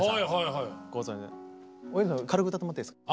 軽く歌ってもらっていいですか？